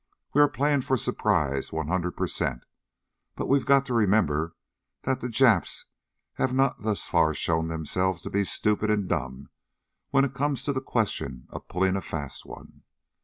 We are playing for surprise one hundred per cent, but we've got to remember that the Japs have not thus far shown themselves to be stupid and dumb when it comes to the question of pulling a fast one.